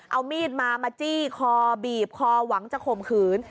เอามีดมามาจี้คอบีบคอหวังจะข่มขืน